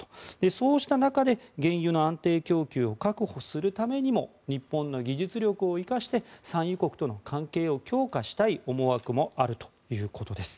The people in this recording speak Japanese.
そうした中で、原油の安定供給を確保するためにも日本の技術力を生かして産油国との関係を強化したい思惑もあるということです。